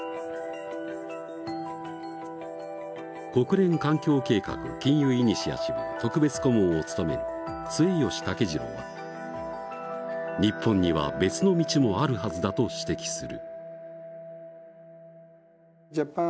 国連環境計画金融イニシアチブ特別顧問を務める末吉竹二郎は日本には別の道もあるはずだと指摘する。